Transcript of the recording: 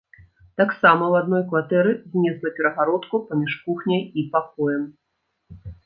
Таксама ў адной кватэры знесла перагародку паміж кухняй і пакоем.